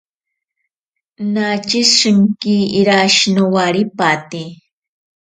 Nache shinki irashi nowaripate.